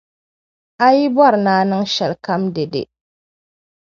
A yi bɔri ni a niŋ shɛlikam dɛde.